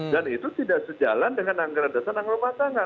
dan itu tidak sejalan dengan anggaran dasar anggaran rumah tangga